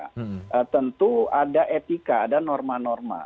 nah tentu ada etika ada norma norma